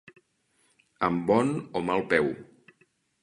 Amb bon o mal peu.